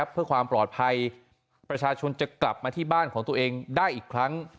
เพื่อความปลอดภัยประชาชนจะกลับมาที่บ้านของตัวเองได้อีกครั้ง